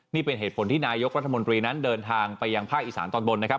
นี่เป็นเหตุผลที่นายกรัฐมนตรีนั้นเดินทางไปยังภาคอีสานตอนบนนะครับ